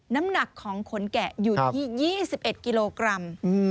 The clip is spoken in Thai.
น้ำหนักของขนแกะอยู่ที่๒๑กิโลกรัม